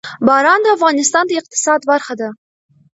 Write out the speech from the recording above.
باران د افغانستان د اقتصاد برخه ده.